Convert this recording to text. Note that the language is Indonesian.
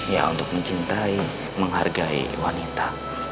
ya untuk mencintai menghargai wanita